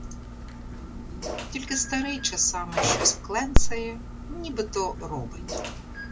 Тільки старий часами щось кленцає, ніби то робить.